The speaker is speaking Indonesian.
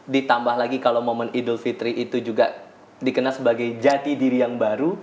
ditambah lagi kalau momen idul fitri itu juga dikenal sebagai jati diri yang baru